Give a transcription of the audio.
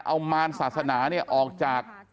เอามารศาสนาเนี่ยออกจาก